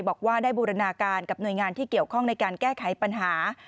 บอกว่าได้บูรณาการกับหน่วยงานที่เกี่ยวข้องในการแก้ไขปัญหา